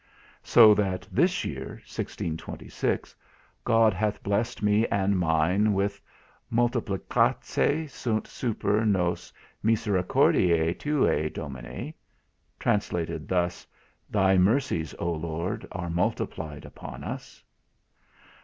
So that this year, [1626,] God hath blessed me and mine with "Multiplicatæ sunt super nos misericordiæ tuæ, Domine." TRANSLATED THUS. Thy mercies, Oh Lord! are multiplied upon us.